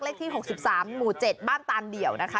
ที่๖๓หมู่๗บ้านตานเดี่ยวนะคะ